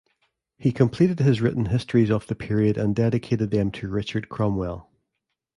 He completed his written histories of the period and dedicated them to Richard Cromwell.